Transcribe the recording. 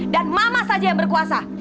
dan mama saja yang berkuasa